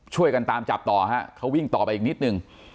ช่วยกันตามจับต่อฮะเขาวิ่งต่อไปอีกนิดนึง